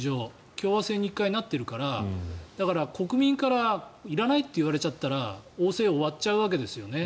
共和制に１回なっているから国民からいらないと言われちゃったら王制は終わっちゃうわけですよね。